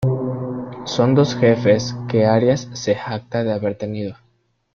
Son dos jefes que Arias se jacta de haber tenido.